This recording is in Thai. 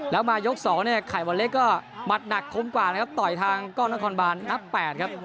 แล้วมายก๒เนี่ยไข่วันเล็กก็หมัดหนักคมกว่านะครับต่อยทางกล้องนครบานนับ๘ครับ